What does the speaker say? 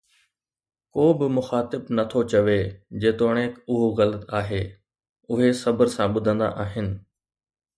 ڪو به مخاطب نه ٿو چوي، جيتوڻيڪ اهو غلط آهي، اهي صبر سان ٻڌندا آهن